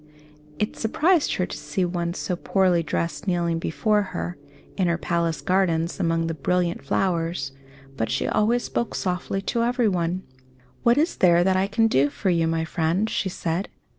It surprised her to see one so poorly dressed kneeling before her, in her palace gardens, among the brilliant flowers; but she always spoke softly to everyone. "What is there that I can do for you, my friend?" she said.